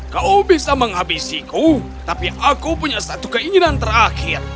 kau bisa menghabisiku tapi aku punya satu keinginan terakhir